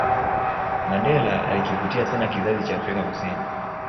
mandela alikivutia sana kizazi cha afrika kusini